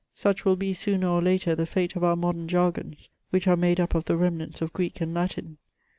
Such will be, sooner or later, the fate of our modem jargons, which are made up of the remnants of Greek and Latin.